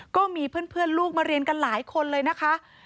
ก็มีเพื่อนลูกมาเรียนกันหลายคนเลยนะคะ